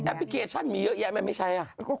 แอปพลิเคชันมีเยอะแยะมั้ยไม่ใช้อ่ะ